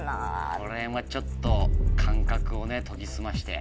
このへんはちょっと感覚をね研ぎ澄まして。